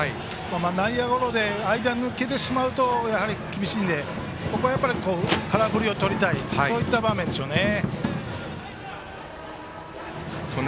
内野ゴロで間を抜けてしまうとやはり厳しいのでここは空振りをとりたいそういった場面でしょうね。